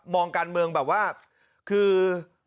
องการเมืองแบบว่าคือ